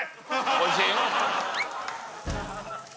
おいしい？